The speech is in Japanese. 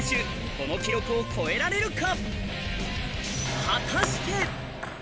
この記録を超えられるか？